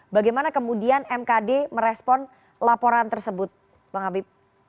bagaimana kemudian mkd merespon laporan tersebut bang habib